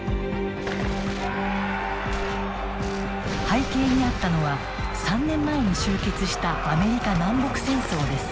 背景にあったのは３年前に終結したアメリカ南北戦争です。